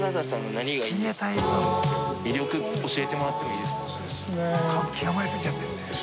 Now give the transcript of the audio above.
魅力教えてもらってもいいですか？